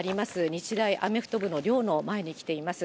日大アメフト部の寮の前に来ています。